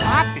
hah mau sapi